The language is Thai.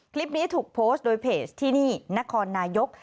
คลิปนี้ถูกโพสต์โดยเพจที่นี่นครนายก